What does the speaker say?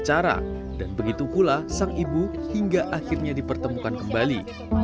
cara dan begitu pula sang ibu hingga akhirnya dipertemukan kembali